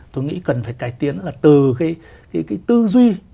tôi nghĩ cần phải cải tiến là từ cái tư duy